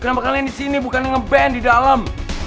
kenapa kalian disini bukan ngeband di dalam